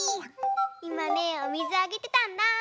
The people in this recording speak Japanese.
いまねおみずあげてたんだ。ねぇ。